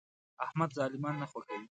احمد ظالمان نه خوښوي.